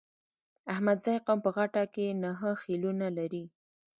احمدزی قوم په غټه کې نهه خيلونه لري.